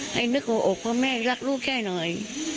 ให้นึกออกว่าแม่รักลูกฉันหน่อย